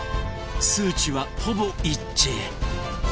数値はほぼ一致！